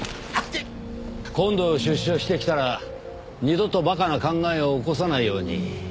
今度出所してきたら二度と馬鹿な考えを起こさないように。